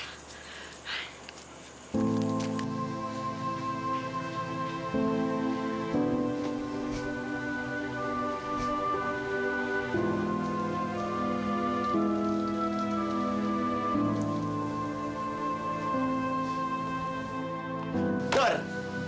ibu sudah di jalani